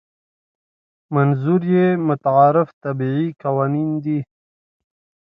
منظور یې متعارف طبیعي قوانین دي.